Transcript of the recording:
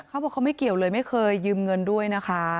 เขาบอกเขาไม่เกี่ยวเลยไม่เคยยืมเงินด้วยนะคะ